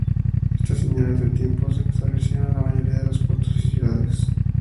Estas "señales de tiempo" se establecieron en la mayoría de puertos y ciudades.